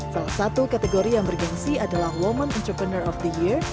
salah satu kategori yang bergensi adalah women entrepreneur of the year